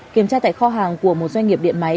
kiểm tra tại kho hàng của một doanh nghiệp điện máy